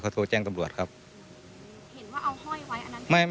โทรแจ้งตำรวจครับเห็นว่าเอาห้อยไว้อันนั้นไม่